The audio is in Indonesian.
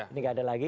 ini tidak ada lagi